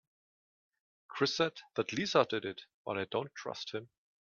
Chris said that Lisa did it but I dont trust him.